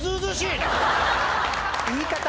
言い方。